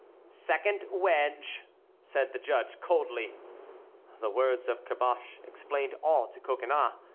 "Second wedge," said the judge, coldly. The words of Caboche explained all to Coconnas.